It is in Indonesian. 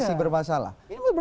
ini belum masalah